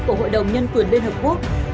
của hội đồng nhân quyền liên hợp quốc